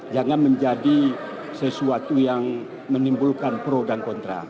jangan menjadi sesuatu yang menimbulkan pro dan kontra